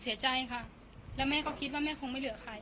เสียใจค่ะแล้วแม่ก็คิดว่าแม่คงไม่เหลือใคร